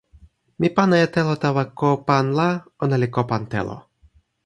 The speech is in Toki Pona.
mi pana e telo tawa ko pan la ona li ko pan telo.